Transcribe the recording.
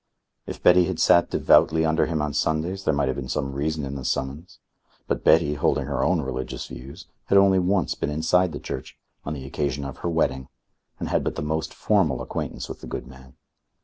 If Betty had sat devoutly under him on Sundays, there might have been some reason in the summons. But Betty, holding her own religious views, had only once been inside the church on the occasion of her wedding and had but the most formal acquaintance with the good man....